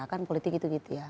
kan politik itu gitu ya